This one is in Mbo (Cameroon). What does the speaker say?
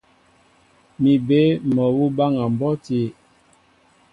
Mi bé mol awǔ baŋa mbɔ́ti.